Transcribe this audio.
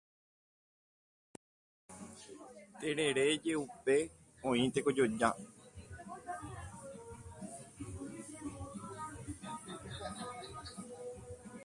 Terere je'úpe oĩ tekojoja.